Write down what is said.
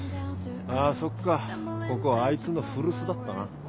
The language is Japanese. あぁそっかここあいつの古巣だったな。